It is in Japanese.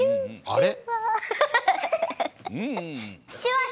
あれ？